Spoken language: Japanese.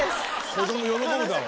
子供喜ぶだろ。